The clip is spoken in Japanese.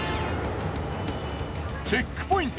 チェックポイント